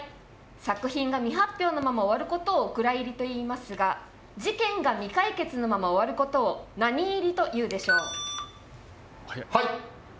作品が未発表のまま終わることをお蔵入りといいますが事件が未解決のまま終わることを何入りというでしょう。